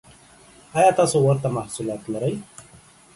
ایا تاسو ورته محصولات لرئ؟